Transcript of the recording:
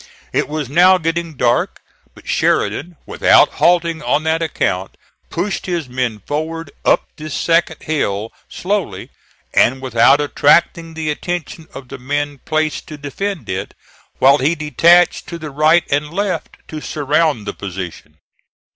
It was now getting dark, but Sheridan, without halting on that account pushed his men forward up this second hill slowly and without attracting the attention of the men placed to defend it, while he detached to the right and left to surround the position.